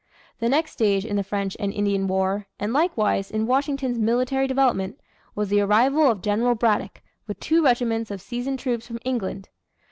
The next stage in the French and Indian War and likewise in Washington's military development was the arrival of General Braddock with two regiments of seasoned troops from England.